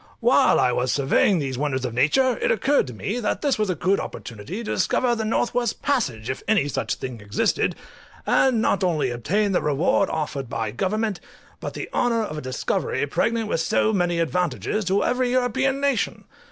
While I was surveying these wonders of nature it occurred to me that this was a good opportunity to discover the north west passage, if any such thing existed, and not only obtain the reward offered by government, but the honour of a discovery pregnant with so many advantages to every European nation.